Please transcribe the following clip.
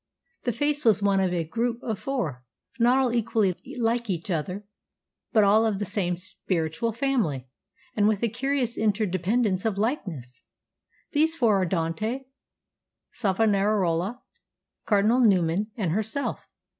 The face was one of a group of four, not all equally like each other, but all of the same spiritual family, and with a curious interdependance of likeness. These four are Dante, Savonarola, Cardinal Newman, and herself....